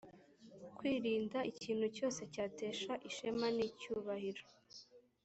kwirinda ikintu cyose cyatesha ishema n icyubahiro